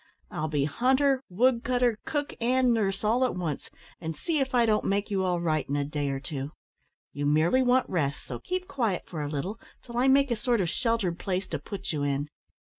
I'll be hunter, woodcutter, cook, and nurse all at once, and see if I don't make you all right in a day or two. You merely want rest, so keep quiet for a little till I make a sort of sheltered place to put you in."